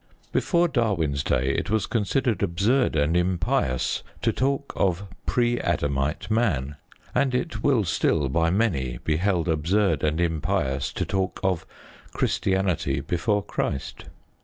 Before Darwin's day it was considered absurd and impious to talk of "pre Adamite man," and it will still, by many, be held absurd and impious to talk of "Christianity before Christ."